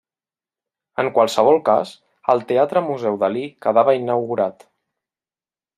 En qualsevol cas, el Teatre-Museu Dalí quedava inaugurat.